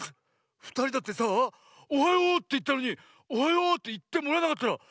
ふたりだってさあ「おはよう」っていったのに「おはよう」っていってもらえなかったらこんなさみしいことってないよね？